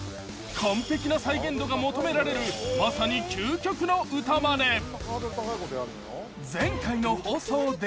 完璧な再現度が求められるまさに究極の歌まね。